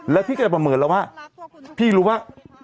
แล้วพี่ก็จะประเมิดแล้วว่า